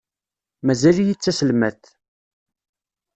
Mazal-iyi d taselmadt.